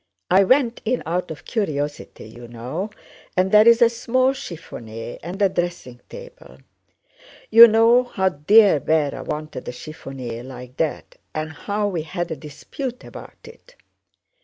I went in out of curiosity, you know, and there is a small chiffonier and a dressing table. You know how dear Véra wanted a chiffonier like that and how we had a dispute about it."